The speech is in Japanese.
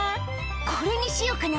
これにしようかな？